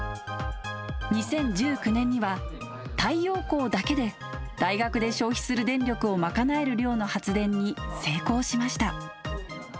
２０１９年には太陽光だけで大学で消費する電力を賄える量の発電に成功しました。